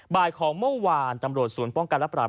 บ่ายของเมื่อวานตำรวจศูนย์ป้องกันและปราบ